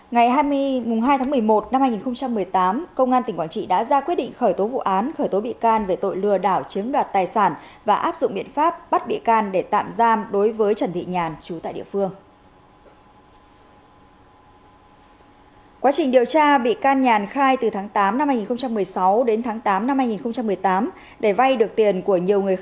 ngày hai tháng một mươi một năm hai nghìn một mươi tám công an tỉnh quảng trị đã ra quyết định khởi tố vụ án khởi tố bị can về tội lừa đảo chiếm đoạt tài sản và áp dụng biện pháp bắt bị can để tạm giam đối với trần thị nhàn chú tại địa phương